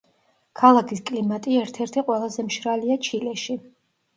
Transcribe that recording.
ქალაქის კლიმატი ერთ-ერთი ყველაზე მშრალია ჩილეში.